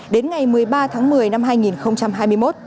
đến ngày một mươi ba tháng một mươi năm hai nghìn hai mươi một